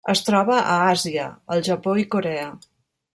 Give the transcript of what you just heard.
Es troba a Àsia: el Japó i Corea.